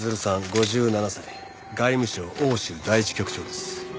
５７歳外務省欧州第一局長です。